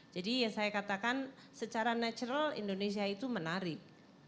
jadi yang saya katakan secara natural indonesia itu menarik